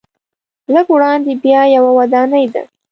لږ وړاندې بیا یوه ودانۍ ده.